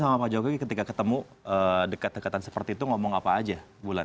sama pak jokowi ketika ketemu dekat dekatan seperti itu ngomong apa aja bulan